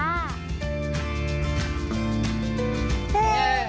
เย้